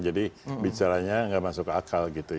jadi bicaranya enggak masuk akal gitu ya